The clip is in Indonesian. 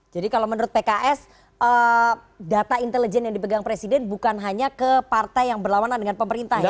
jadi kalau menurut pks data intelijen yang dipegang presiden bukan hanya ke partai yang berlawanan dengan pemerintah ya